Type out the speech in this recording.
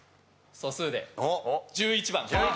素数で１１番。